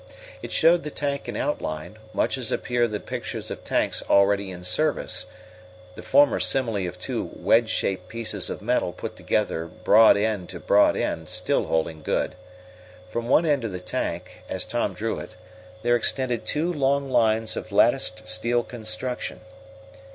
It showed the tank in outline, much as appear the pictures of tanks already in service the former simile of two wedge shaped pieces of metal put together broad end to broad end, still holding good. From one end of the tank, as Tom drew it, there extended two long arms of latticed steel construction.